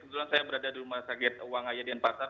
kebetulan saya berada di rumah sakit wangaya denpasar